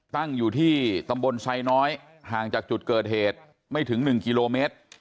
ตั้งอยู่ที่ตำบลไซน้อยห่างจากจุดเกิดเหตุไม่ถึง๑กิโลเมตร